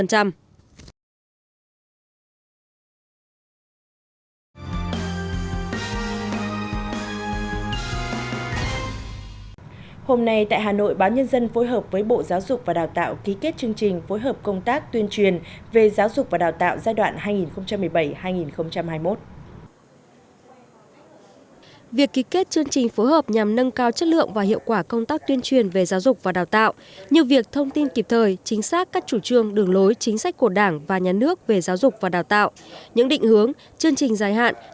hôm nay tại hà nội báo nhân dân phối hợp với bộ giáo dục và đào tạo ký kết chương trình phối hợp công tác tuyên truyền về giáo dục và đào tạo giai đoạn hai nghìn hai mươi